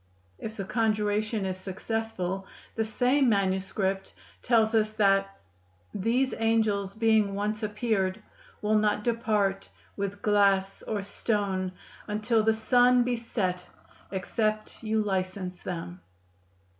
If the conjuration is successful, the same manuscript tells us that "these angells being once appeared will not depart the glasse or stone untill the Sonne be sett except you licence them."